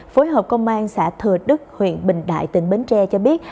phối hợp công an xã thừa đức huyện bình đại tỉnh bến tre cho biết